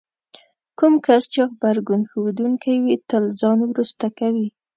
کوم کس چې غبرګون ښودونکی وي تل ځان وروسته کوي.